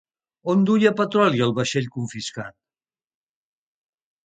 On duia petroli el vaixell confiscat?